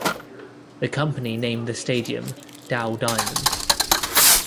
The company named the stadium Dow Diamond.